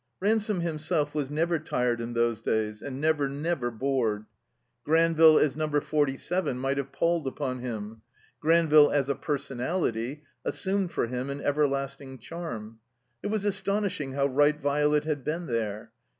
Ransome himself was never tired in those days, and never, never bored. Granville as Number Forty seven might have palled upon him; Granville as a personality assumed for him an everlasting charm. It was astonishing how right Violet had been there.